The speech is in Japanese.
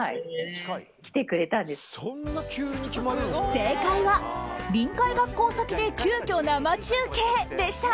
正解は、臨海学校先で急きょ生中継でした。